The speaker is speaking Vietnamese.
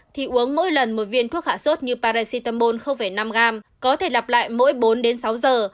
thì uống mỗi lần một viên thuốc hạ sốt như paracetamol năm gram có thể lặp lại mỗi bốn đến sáu giờ